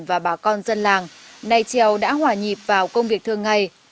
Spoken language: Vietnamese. và bà con dân làng nay chieu đã hỏa nhịp vào công việc thường ngày